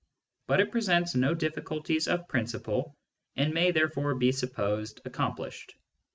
But it presents no difficulties of principle, and may therefore be supposed accomplished.